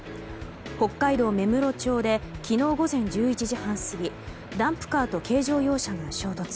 北海道芽室町で昨日午前１１時半過ぎダンプカーと軽乗用車が衝突。